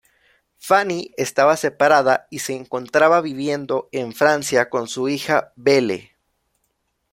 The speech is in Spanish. Fanny estaba separada y se encontraba viviendo en Francia con su hija Belle.